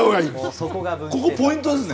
ここポイントですね。